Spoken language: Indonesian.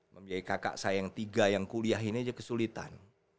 membiayai kakak saya yang tiga yang kuliah ini aja kesulitan